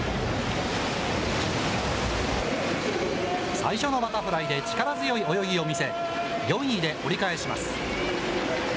最初のバタフライで力強い泳ぎを見せ、４位で折り返します。